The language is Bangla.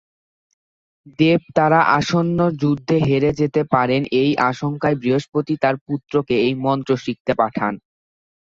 দেবতারা আসন্ন যুদ্ধে হেরে যেতে পারেন এই আশঙ্কায় বৃহস্পতি তার পুত্রকে এই মন্ত্র শিখতে পাঠান।